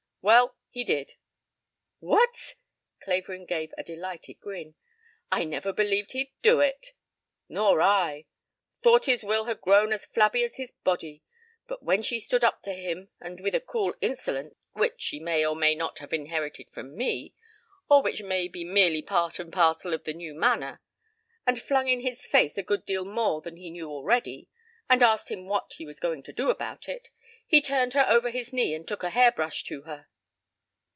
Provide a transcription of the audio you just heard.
"Well, he did." "What?" Clavering gave a delighted grin. "I never believed he'd do it." "Nor I. Thought his will had grown as flabby as his body. But when she stood up to him and with a cool insolence, which she may or may not have inherited from me, or which may be merely part and parcel of the new manner, and flung in his face a good deal more than he knew already, and asked him what he was going to do about it, he turned her over his knee and took a hair brush to her."